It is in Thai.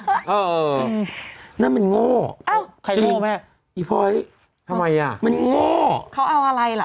เออน่ะมันโง่จริงอีพอยมันโง่เขาเอาอะไรล่ะ